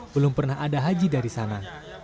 belum pernah ada haji dari sana